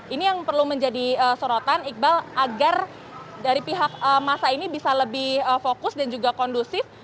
ini yang perlu menjadi sorotan iqbal agar dari pihak masa ini bisa lebih fokus dan juga kondusif